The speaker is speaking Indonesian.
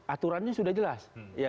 aturannya sudah jelas